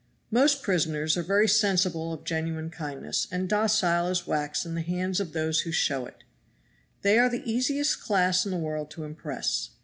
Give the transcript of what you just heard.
Most prisoners are very sensible of genuine kindness, and docile as wax in the hands of those who show it. They are the easiest class in the world to impress.